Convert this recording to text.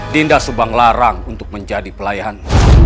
dinda subang larang untuk menjadi pelayan